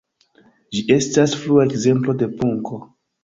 Ĝi estas frua ekzemplo de punko.